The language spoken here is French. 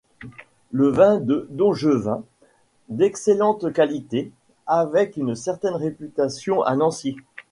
Le vin de Domjevin, d'excellente qualité, avait une certaine réputation à Nancy.